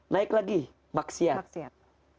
naik lagi maksiat